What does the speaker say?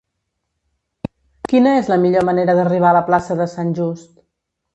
Quina és la millor manera d'arribar a la plaça de Sant Just?